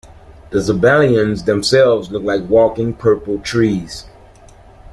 The Zamballans themselves look like walking purple trees.